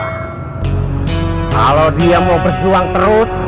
kalau dia mau berjuang terus